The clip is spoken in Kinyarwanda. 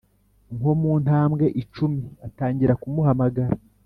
nko mu ntambwe icumi atangira kumuhamagara: